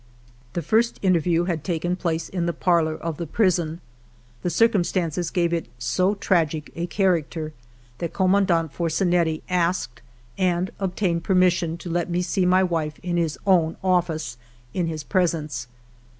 '* The first interview had taken place In the par lor of the prison. The circumstances gave it so* ALFRED DREYFUS 39 tragic a character that Commandant Forzinetti asked and obtained permission to let me see my wife in his own office, in his presence.